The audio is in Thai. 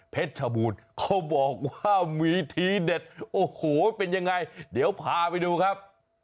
ชบูรณ์เขาบอกว่ามีทีเด็ดโอ้โหเป็นยังไงเดี๋ยวพาไปดูครับ